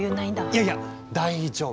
いやいや大丈夫です。